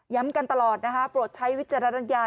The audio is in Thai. กันตลอดนะคะโปรดใช้วิจารณญาณ